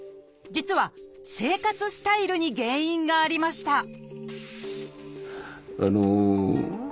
実は生活スタイルに原因がありました